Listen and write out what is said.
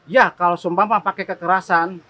ya kalau sumpah pakai kekerasan